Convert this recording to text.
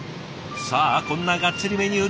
さあこんなガッツリメニュー